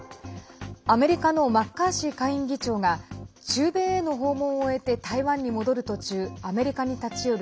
アメリカのマッカーシー下院議長が中米への訪問を終えて台湾に戻る途中アメリカに立ち寄る